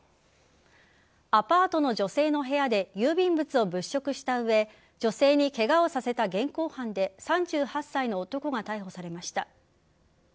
アパートの女性の部屋で郵便物を物色した上女性にケガをさせた現行犯で３８歳の男が逮捕されました。